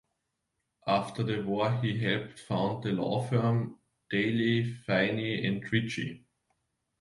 After the war he helped found the law firm, Daley, Phinney and Ritchie.